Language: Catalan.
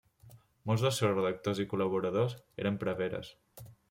Molts dels seus redactors i col·laboradors eren preveres.